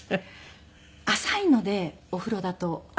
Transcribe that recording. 浅いのでお風呂だと。